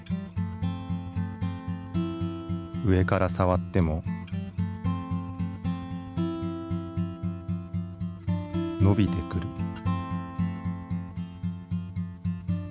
上から触っても伸びてくる。